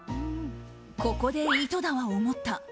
ここで井戸田は思った。